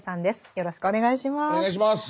よろしくお願いします。